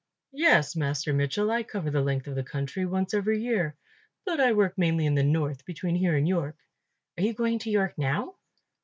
"Yes, Master Mitchell, I cover the length of the country once every year, but I work mainly in the north between here and York." "Are you going to York now?"